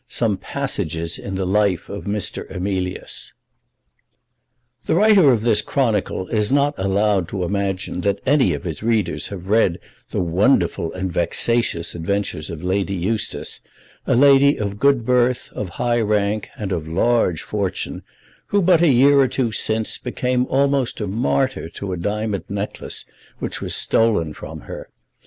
SOME PASSAGES IN THE LIFE OF MR. EMILIUS. The writer of this chronicle is not allowed to imagine that any of his readers have read the wonderful and vexatious adventures of Lady Eustace, a lady of good birth, of high rank, and of large fortune, who, but a year or two since, became almost a martyr to a diamond necklace which was stolen from her.